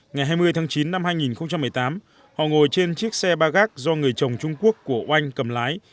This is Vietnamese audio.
ngày hai mươi tháng chín năm hai nghìn một mươi tám họ ngồi trên chiếc xe ba gác do người chồng trung quốc của oanh cầm lái